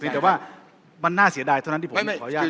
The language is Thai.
แต่ว่ามันน่าเสียดายเท่านั้นที่ผมขออนุญาต